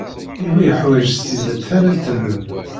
Yuba yeḥwaj s tidet tallalt-nnem.